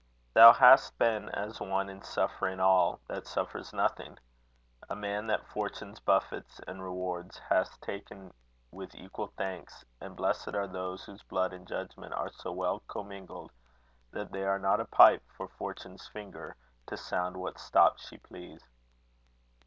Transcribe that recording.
Thou hast been As one, in suffering all, that suffers nothing; A man that fortune's buffets and rewards Hast ta'en with equal thanks; and blessed are those Whose blood and judgment are so well commingled That they are not a pipe for fortune's finger To sound what stop she please.